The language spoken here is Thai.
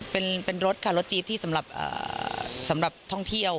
เป็นเป็นรถค่ะรถจิ๊บที่สำหรับเอ่อสำหรับท่องเที่ยว